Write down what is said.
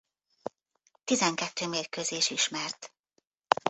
Tizenkettő mérkőzés ismert.